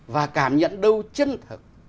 và cảm nhận đâu chân thực